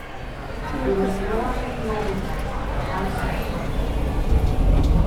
He was a Norman nobleman of the House of Normandy.